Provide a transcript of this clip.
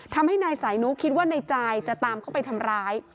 ทำให้นายสายนุคิดว่านายจายจะตามเข้าไปทำร้าย